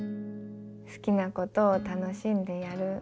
好きなことを楽しんでやる。